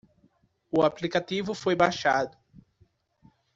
O aplicativo foi baixado.